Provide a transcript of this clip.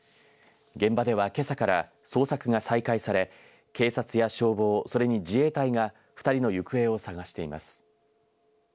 現場ではけさから捜索が再開され警察や消防、それに自衛隊が２人の行方を捜しています。